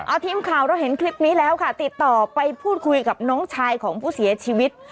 เอาทีมข่าวเราเห็นคลิปนี้แล้วค่ะติดต่อไปพูดคุยกับน้องชายของผู้เสียชีวิต